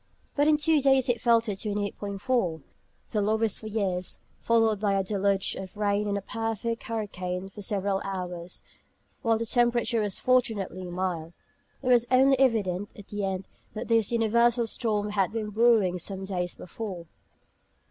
But in two days it fell to 28·4 (the lowest for years), followed by a deluge of rain and a perfect hurricane for several hours, while the temperature was fortunately mild. It was only evident at the end that this universal storm had been "brewing" some days before.